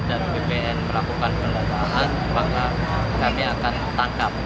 dan bpn melakukan perlembahan maka kami akan tertangkap